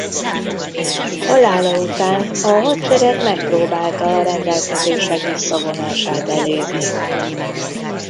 Halála után a hadsereg megpróbálta a rendelkezések visszavonását elérni.